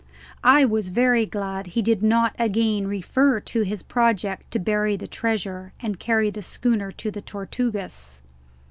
I was very glad he did not again refer to his project to bury the treasure and carry the schooner to the Tortugas.